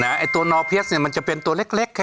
ไอ้ตัวนอเพียสเนี่ยมันจะเป็นตัวเล็ก